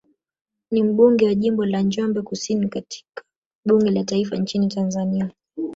Ni mbunge wa jimbo la Njombe Kusini katika bunge la taifa nchini Tanzania